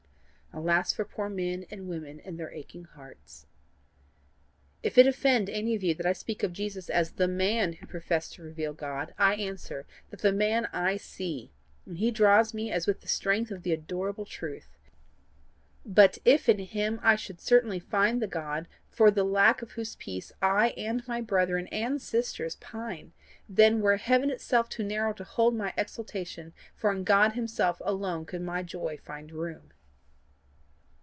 Alas for poor men and women and their aching hearts! If it offend any of you that I speak of Jesus as THE MAN who professed to reveal God, I answer, that the man I see, and he draws me as with the strength of the adorable Truth; but if in him I should certainly find the God for the lack of whose peace I and my brethren and sisters pine, then were heaven itself too narrow to hold my exultation, for in God himself alone could my joy find room.